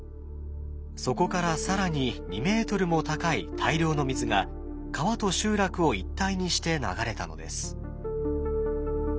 そこから更に２ｍも高い大量の水が川と集落を一体にして流れたのです。